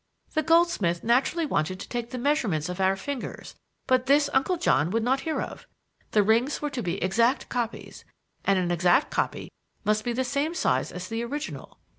The goldsmith naturally wanted to take the measurements of our fingers, but this Uncle John would not hear of; the rings were to be exact copies, and an exact copy must be the same size as the original.